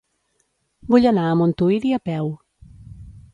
Vull anar a Montuïri a peu.